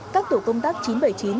các tổ công tác chín trăm bảy mươi chín